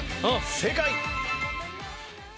正解。